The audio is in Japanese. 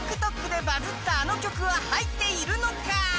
ＴｉｋＴｏｋでバズったあの曲は入っているのか。